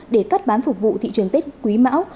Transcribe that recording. để cắt bán phục vụ thị trường tết quý mão